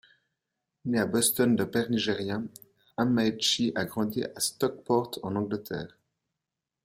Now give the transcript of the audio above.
Né à Boston d'un père nigérian, Amaechi a grandi à Stockport en Angleterre.